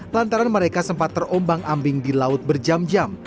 lantaran mereka sempat terombang ambing di laut berjam jam